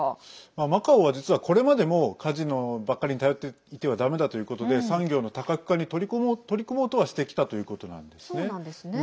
マカオは実は、これまでもカジノばっかりに頼っていてはだめだということで産業の多角化に取り組もうとはしてきたということなんですね。